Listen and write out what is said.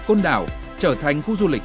côn đảo trở thành khu du lịch